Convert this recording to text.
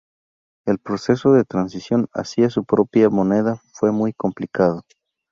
El proceso de transición hacia su propia moneda fue muy complicado.